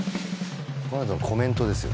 このあとのコメントですよ